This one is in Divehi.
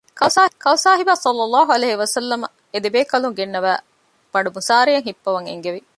ކައުސާހިބާ ޞައްލަﷲ ޢަލައިހި ވަސައްލަމަ އެދެބޭކަލުން ގެންނަވައި ބަނޑުމުސާރަޔަށް ހިއްޕަވަން އެންގެވި